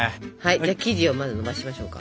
生地をまずのばしましょうか。